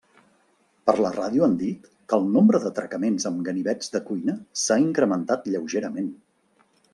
Per la ràdio han dit que el nombre d'atracaments amb ganivets de cuina s'ha incrementat lleugerament.